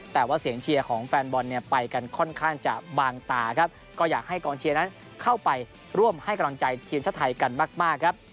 แต่ว่าเสียงเชียร์ของแฟนบอลเนี่ยไปกันค่อนข้างจะบางตาครับก็อยากให้กองเชียร์นั้นเข้าไปร่วมให้กำลังใจทีมชาติไทยกันมากมากครับ